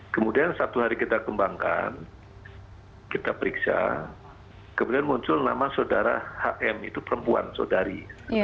kemudian satu hari kita kembangkan kita periksa kemudian muncul nama saudara hm itu perempuan saudari